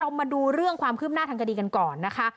มาดูเรื่องความคืบหน้าทางคดีกันก่อนนะคะ